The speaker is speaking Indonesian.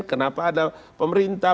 kenapa ada pemerintah